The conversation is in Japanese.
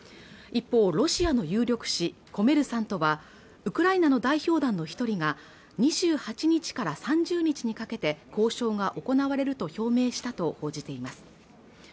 一方ロシアの有力紙「コメルサント」はウクライナの代表団の一人が２８日から３０日にかけて交渉が行われると表明したと報じています